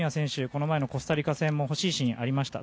この前のコスタリカ戦も惜しいシーンありました。